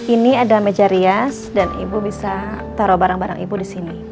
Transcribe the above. ini adalah meja rias dan ibu bisa taruh barang barang ibu di sini